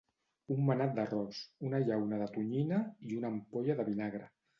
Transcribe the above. Un manat d'arròs, una llauna de tonyina i una ampolla de vinagre.